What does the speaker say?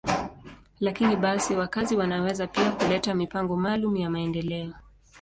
Lakini basi, wakazi wanaweza pia kuleta mipango maalum ya maendeleo.